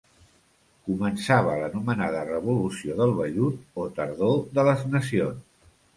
Començava l'anomenada revolució del vellut o tardor de les nacions.